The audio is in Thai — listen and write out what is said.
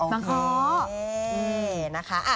บางคอ